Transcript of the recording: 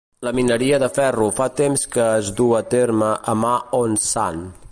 La mineria de ferro fa temps que es du a terme a Ma On Shan.